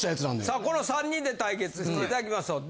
さあこの３人で対決していただきましょう。